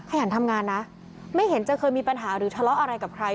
หันทำงานนะไม่เห็นจะเคยมีปัญหาหรือทะเลาะอะไรกับใคร